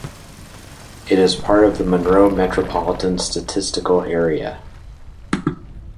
It is part of the Monroe Metropolitan Statistical Area.